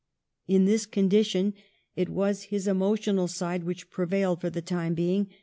In this condition it was his emotional side which pre vailed for the time being.